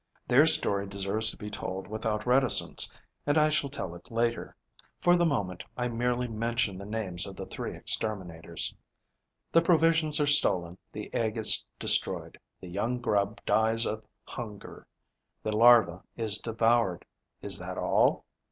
Their story deserves to be told without reticence; and I shall tell it later. For the moment, I merely mention the names of the three exterminators. The provisions are stolen, the egg is destroyed. The young grub dies of hunger, the larva is devoured. Is that all?